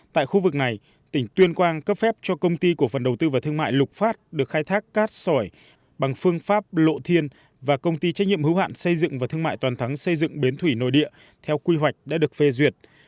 tại khu vực này tỉnh tuyên quang cấp phép cho công ty cổ phần đầu tư và thương mại lục phát được khai thác cát sỏi bằng phương pháp lộ thiên và công ty trách nhiệm hữu hạn xây dựng và thương mại toàn thắng xây dựng bến thủy nội địa theo quy hoạch đã được phê duyệt